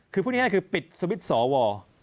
คือพูดง่ายคือปิดสวิตช์สว